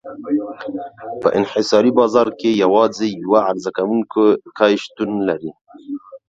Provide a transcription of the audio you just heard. په انحصاري بازار کې یوازې یو عرضه کوونکی شتون لري.